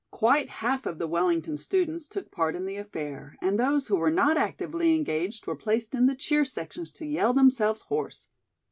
Quite half of the Wellington students took part in the affair and those who were not actively engaged were placed in the cheer sections to yell themselves hoarse.